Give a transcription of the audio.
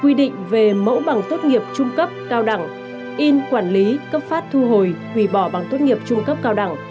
quy định về mẫu bằng tốt nghiệp trung cấp cao đẳng in quản lý cấp phát thu hồi hủy bỏ bằng tốt nghiệp trung cấp cao đẳng